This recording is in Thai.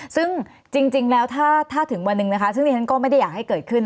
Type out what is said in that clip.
ซึ่งจริงแล้วถ้าถึงวันหนึ่งซึ่งดิฉันก็ไม่ได้อยากให้เกิดขึ้น